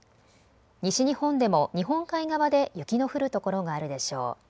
西日本でも日本海側で雪の降る所があるでしょう。